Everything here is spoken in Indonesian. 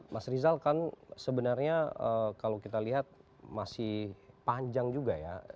mas rizal kan sebenarnya kalau kita lihat masih panjang juga ya